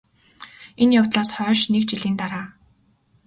энэ явдлаас хойш НЭГ жилийн дараа